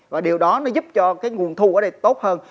và điều đó nó giúp cho cái nguồn thu ở đây tốt hơn